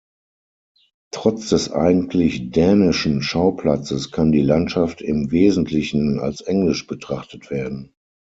Trotz des eigentlich dänischen Schauplatzes kann die Landschaft im Wesentlichen als englisch betrachtet werden.